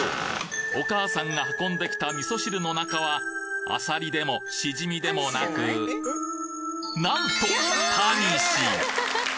お母さんが運んできた味噌汁の中はアサリでもシジミでもなくなんとタニシ！